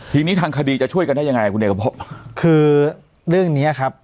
ทีนี้ทางคดีจะช่วยกันได้ยังไงคุณเอกพบคือเรื่องเนี้ยครับ